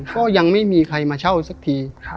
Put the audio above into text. ก็ยังไม่มีใครมาเช่าสักที